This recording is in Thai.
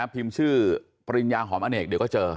พิมพ์ชื่อปริญญาหอมอเนกเดี๋ยวก็เจอ